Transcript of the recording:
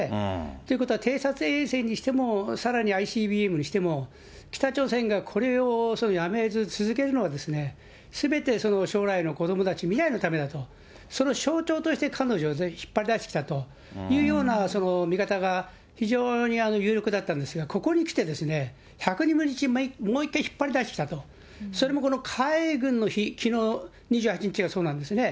ということは偵察衛星にしても、さらにＩＣＢＭにしても、北朝鮮がこれをやめず続けるのは、すべてその将来の子どもたち、未来のためだと、その象徴として彼女を引っ張り出してきたというような見方が非常に有力だったんですが、ここにきてですね、１００日ぶりにもう一回引っ張り出してきたと、それもこの海軍の日、きのう２８日がそうなんですね。